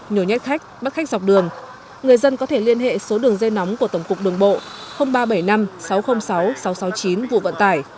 nhồi nhét khách bắt khách dọc đường người dân có thể liên hệ số đường dây nóng của tổng cục đường bộ ba trăm bảy mươi năm sáu trăm linh sáu sáu trăm sáu mươi chín vụ vận tải